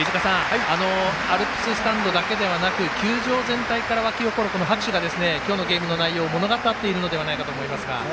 アルプススタンドだけではなく球場全体から沸き起こる拍手が今日のゲームの内容を物語っているのではないかと思いますが。